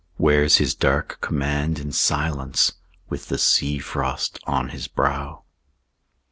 Wears his dark command in silence With the sea frost on his brow.